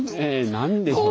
何でしょうね。